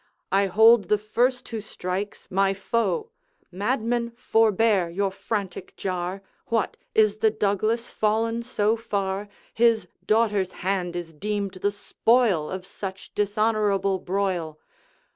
I hold the first who strikes my foe. Madmen, forbear your frantic jar! What! is the Douglas fallen so far, His daughter's hand is deemed the spoil Of such dishonorable broil?'